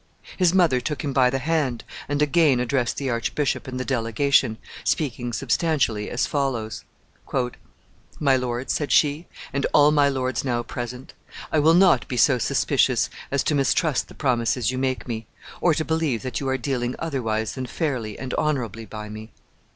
His mother took him by the hand, and again addressed the archbishop and the delegation, speaking substantially as follows: "My lord," said she, "and all my lords now present, I will not be so suspicious as to mistrust the promises you make me, or to believe that you are dealing otherwise than fairly and honorably by me.